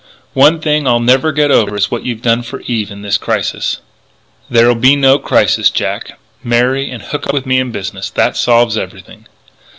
One thing; I'll never get over what you've done for Eve in this crisis " "There'll be no crisis, Jack. Marry, and hook up with me in business. That solves everything....